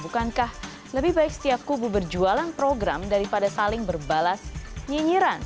bukankah lebih baik setiap kubu berjualan program daripada saling berbalas nyinyiran